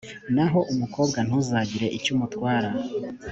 naho umukobwa, ntuzagire icyo umutwara,